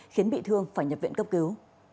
khiến bị thương phải nhập viện cấp cứu